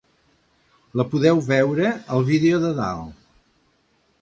La podeu veure al vídeo de dalt.